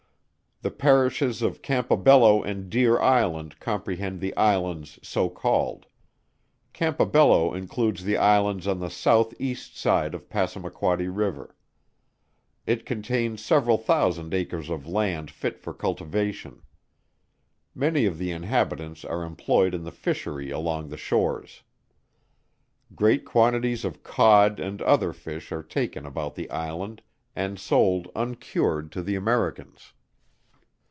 The Parishes of Campobello and Deer Island comprehend the Islands so called. Campobello includes the Islands on the south east side of Passamaquoddy river. It contains several thousand acres of land fit for cultivation. Many of the inhabitants are employed in the fishery along the shores. Great quantities of cod and other fish are taken about the Island, and sold uncured to the Americans.